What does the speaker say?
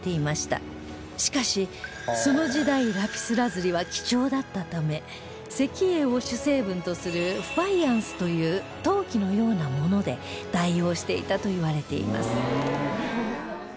しかしその時代ラピスラズリは貴重だったため石英を主成分とするファイアンスという陶器のようなもので代用していたといわれています